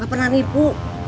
gak pernah nipu